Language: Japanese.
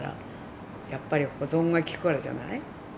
やっぱり保存が利くからじゃない？